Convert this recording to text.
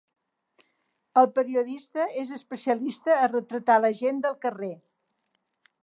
El periodista és especialista a retratar la gent del carrer.